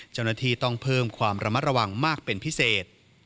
เจ้าหน้าที่ต้องเพิ่มความระมัดระวังมากเป็นพิเศษ